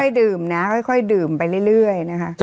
ดื่มนะค่อยดื่มไปเรื่อยนะคะ